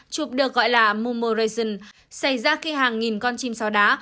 chụp được gọi là mumoration xảy ra khi hàng nghìn con chim sao đá